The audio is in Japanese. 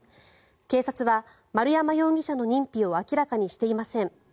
警察は、丸山容疑者の認否を明らかにしていません。